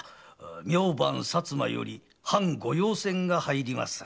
明晩薩摩より藩御用船が入りまする。